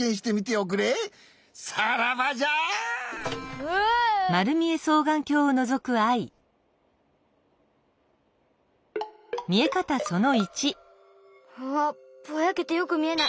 うわぼやけてよくみえない。